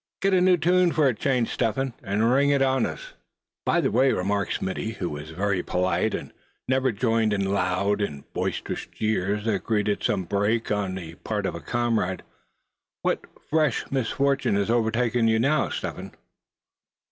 Get a new tune for a change, Step Hen, and ring it on us." "By the way," remarked Smithy, who was very polite, and never joined in the loud and boisterous jeers that greeted some break on the part of a comrade; "what fresh misfortune has overtaken you now, Step Hen?"